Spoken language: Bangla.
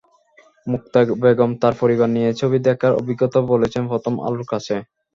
মুক্তা বেগম তাঁর পরিবার নিয়ে ছবি দেখার অভিজ্ঞতা বলেছেন প্রথম আলোর কাছে।